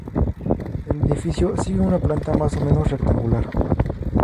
El edificio sigue una planta más o menos rectangular.